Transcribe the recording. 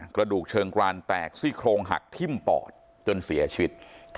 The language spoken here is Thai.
กระดูกเชิงกรานแตกซี่โครงหักทิ้มปอดจนเสียชีวิต